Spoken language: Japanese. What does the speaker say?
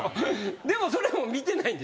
でもそれも見てないんでしょ？